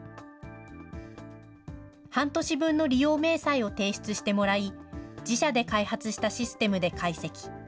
半年分の利用明細を提出してもらい、自社で開発したシステムで解析。